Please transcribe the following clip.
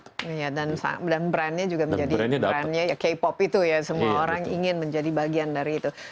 dan brand nya juga menjadi brand nya k pop itu ya semua orang ingin menjadi bagian dari itu